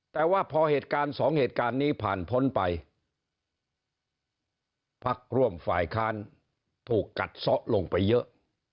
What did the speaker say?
แต่ว่าพอเหตุการณ์สองเหตุการณ์นี้ผ่านพ้นไปพักร่วมฝ่ายค้านถูกกัดซะลงไปเยอะ